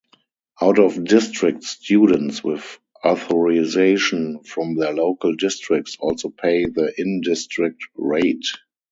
Out-of-district students with authorization from their local districts also pay the in-district rate.